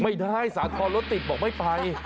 ไม่ได้สาธรณ์รถติดบอกไม่ไป